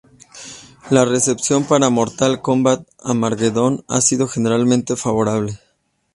La recepción para Mortal Kombat: Armageddon ha sido generalmente favorable.